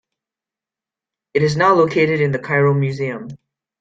It is now located in the Cairo Museum.